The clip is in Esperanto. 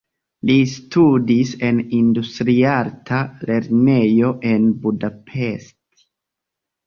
Li studis en industriarta lernejo en Budapest.